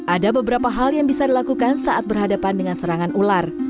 ada beberapa hal yang bisa dilakukan saat berhadapan dengan serangan ular